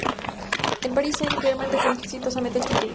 El París Saint-Germain defendió exitosamente el título.